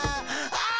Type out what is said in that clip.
ああ。